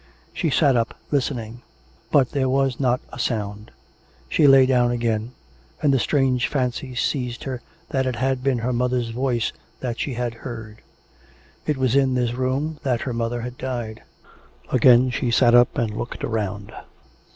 She sat up listening; but there was not a sound. She lay down again; and the strange fancy seized her that it had been her mother's voice that she had heard. ... It was in this room that her mother had died. ... Again she sat up and looked round.